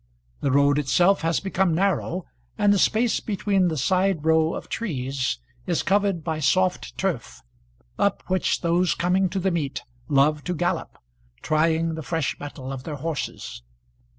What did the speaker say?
The road itself has become narrow, and the space between the side row of trees is covered by soft turf, up which those coming to the meet love to gallop, trying the fresh metal of their horses.